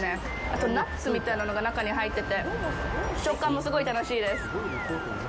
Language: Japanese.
あとナッツみたいなのが中に入ってて食感もすごい楽しいです。